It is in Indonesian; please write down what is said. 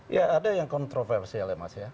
ya ada yang kontroversial ya mas ya